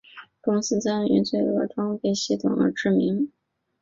公司以参与罪恶装备系列而知名。